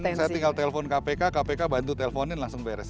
saya tinggal telepon kpk kpk bantu teleponin langsung beres